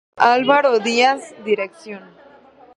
Álvaro Díaz: Dirección.